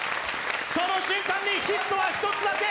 その瞬間にヒットは１つだけ！